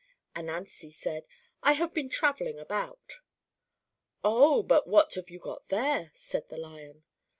Ananzi said, "I have been travelling about." "Oh! But what have you got there?" said the Lion.